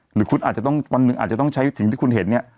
หรือคุณอาจจะต้องวันหนึ่งอาจจะต้องใช้สิ่งที่คุณเห็นเนี่ย